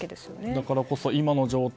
だからこそ今の状態